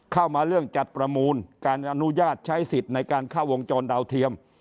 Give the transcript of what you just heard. เข้ามาเรื่องจัดประมูลการอนุญาตใช้สิทธิ์ในการเข้าวงจรดาวเทียม